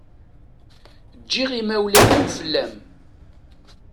Ǧǧiɣ imawlan-iw fell-am.